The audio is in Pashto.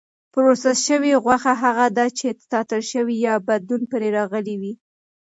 پروسس شوې غوښه هغه ده چې ساتل شوې یا بدلون پرې راغلی وي.